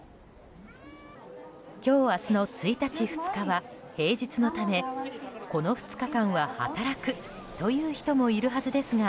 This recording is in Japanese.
今日明日の１日、２日は平日のためこの２日間は働くという人もいるはずですが